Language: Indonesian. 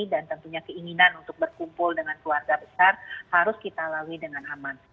dan tentunya keinginan untuk berkumpul dengan keluarga besar harus kita lalui dengan aman